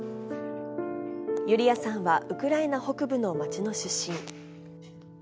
ユリヤさんはウクライナ北部の街の出身。